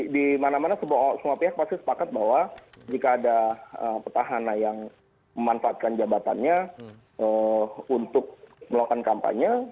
di mana mana semua pihak pasti sepakat bahwa jika ada petahana yang memanfaatkan jabatannya untuk melakukan kampanye